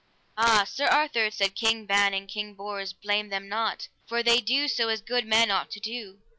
Ah, Sir Arthur, said King Ban and King Bors, blame them not, for they do as good men ought to do.